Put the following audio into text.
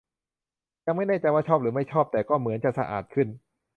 ยังไม่แน่ใจว่าชอบหรือไม่ชอบ แต่ก็เหมือนจะสะอาดขึ้น